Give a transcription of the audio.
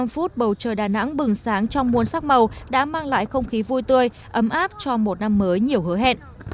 một mươi phút bầu trời đà nẵng bừng sáng trong muôn sắc màu đã mang lại không khí vui tươi ấm áp cho một năm mới nhiều hứa hẹn